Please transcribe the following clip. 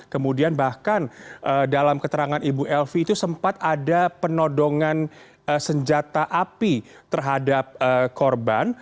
kemudian bahkan dalam keterangan ibu elvi itu sempat ada penodongan senjata api terhadap korban